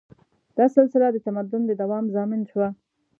دا سلسله د تمدن د دوام ضامن شوه.